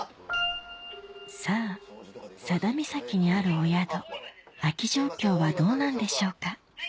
さぁ佐田岬にあるお宿空き状況はどうなんでしょうか？